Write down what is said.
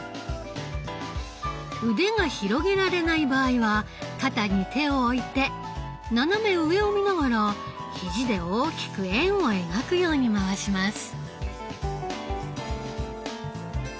腕が広げられない場合は肩に手を置いて斜め上を見ながら肘で大きく円を描くように回します。